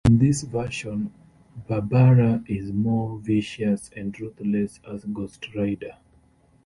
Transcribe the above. In this version, Barbara is more vicious and ruthless as Ghost Rider.